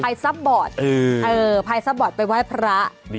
คร่ะพายสะบัดไปไหว้พระ